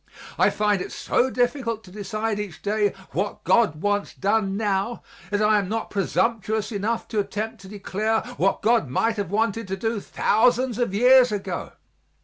I find it so difficult to decide each day what God wants done now that I am not presumptuous enough to attempt to declare what God might have wanted to do thousands of years ago.